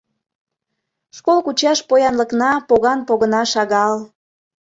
Школ кучаш поянлыкна, поган-погына шагал.